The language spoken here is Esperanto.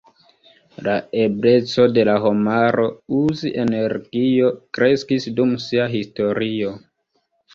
La ebleco de la homaro, uzi energion, kreskis dum sia historio.